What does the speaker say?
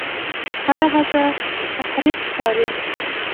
هر هڅه تحریف ښکاري.